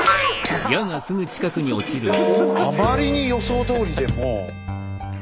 あまりに予想どおりでもう。